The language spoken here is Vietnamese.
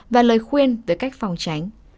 và lời khuyên về cách phòng tránh